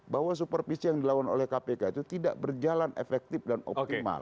bahwa supervisi yang dilakukan oleh kpk itu tidak berjalan efektif dan optimal